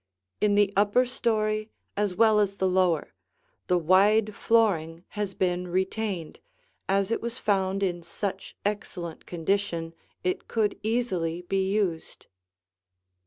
In the upper story as well as the lower, the wide flooring has been retained, as it was found in such excellent condition it could easily be used.